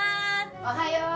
おはよう。